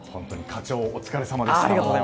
課長、お疲れさまでした。